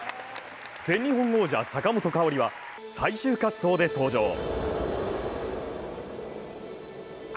全日本王者、坂本花織は最終滑走で登場。